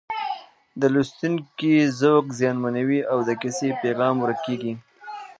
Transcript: د لوستونکي ذوق زیانمنوي او د کیسې پیغام ورک کېږي